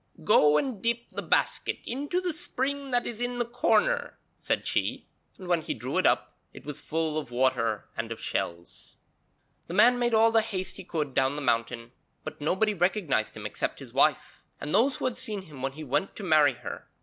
'Go and dip the basket into the spring that is in the corner,' said she, and when he drew it up it was full of water and of shells. The man made all the haste he could down the mountain, but nobody recognised him except his wife, and those who had seen him when he went to marry her.